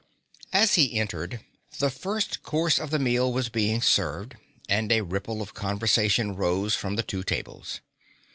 As he entered, the first course of the meal was being served, and a ripple of conversation rose from the two tables.